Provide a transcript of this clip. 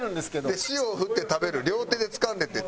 で「塩をふって食べる両手でつかんで」って。